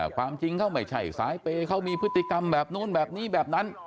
ความจริงเขาไม่ใช่สายเปย์เขามีพฤติกรรมแบบนู้นแบบนี้แบบนั้น